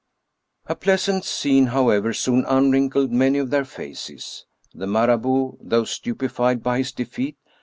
A pleasant scene, however, soon unwrinkled many of their faces. The Marabout, though stupefied by his defeat, had 230 Af.